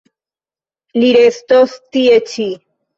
Li restos tie ĉi.